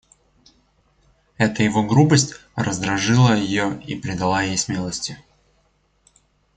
Эта его грубость раздражила ее и придала ей смелости.